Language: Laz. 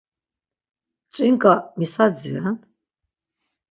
Ç̌inǩa mis adziren?